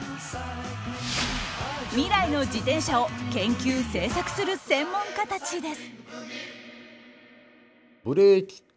「未来の自転車」を研究・製作する専門家たちです。